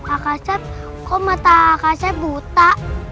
akasep kok mata akasep buta